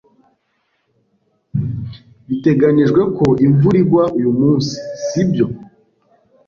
Biteganijwe ko imvura igwa uyu munsi, sibyo?